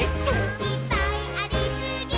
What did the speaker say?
「いっぱいありすぎー！！」